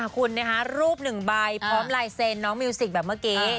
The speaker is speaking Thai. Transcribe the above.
คุณนะคะรูปหนึ่งใบพร้อมลายเซ็นน้องมิวสิกแบบเมื่อกี้